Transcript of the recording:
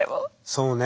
そうね。